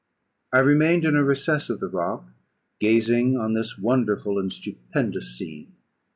I remained in a recess of the rock, gazing on this wonderful and stupendous scene.